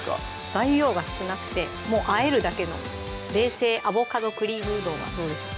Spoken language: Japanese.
材料が少なくてもうあえるだけの「冷製アボカドクリームうどん」はどうでしょう？